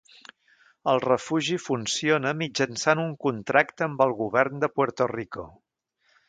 El refugi funciona mitjançant un contracte amb el govern de Puerto Rico.